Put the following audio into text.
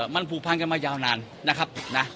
มันผูกพันกันมายาวนานนะครับนะ